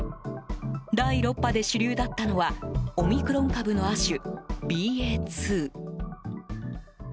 第６波で主流だったのはオミクロン株の亜種、ＢＡ．２。